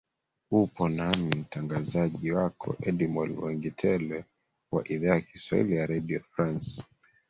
upo nami mtangazaji wako edimol wangitelwa wa idhaa ya kiswahili ya redio france